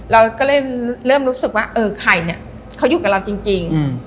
เราก็เริ่มเริ่มรู้สึกว่าเออใครเนี้ยเขาอยู่กับเราจริงจริง